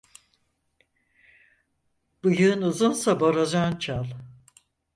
Bıyığın uzunsa borazan çal.